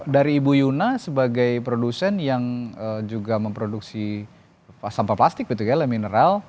dari ibu yuna sebagai produsen yang juga memproduksi sampah plastik le mineral